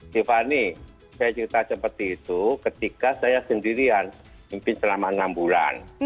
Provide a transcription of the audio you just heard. tiffany saya cerita seperti itu ketika saya sendirian mimpin selama enam bulan